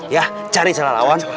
ya cari celah lawan